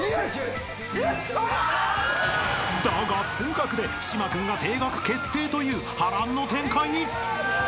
［だが数学で島君が停学決定という波乱の展開に！］